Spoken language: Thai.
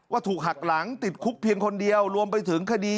ถูกหักหลังติดคุกเพียงคนเดียวรวมไปถึงคดี